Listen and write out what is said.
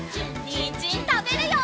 にんじんたべるよ！